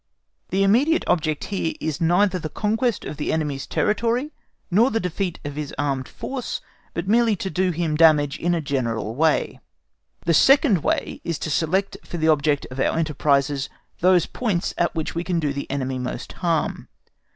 The immediate object here is neither the conquest of the enemy's territory nor the defeat of his armed force, but merely to do him damage in a general way. The second way is to select for the object of our enterprises those points at which we can do the enemy most harm.